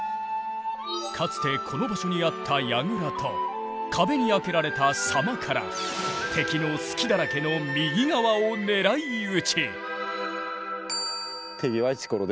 かつてこの場所にあった櫓と壁に開けられた狭間から敵の隙だらけの右側を狙い撃ち。